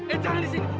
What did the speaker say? eh jangan di sini